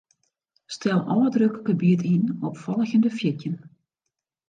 Stel ôfdrukgebiet yn op folgjende fjirtjin.